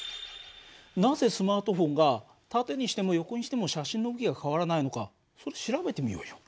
なぜスマートフォンが縦にしても横にしても写真の向きが変わらないのかそれ調べてみようよ。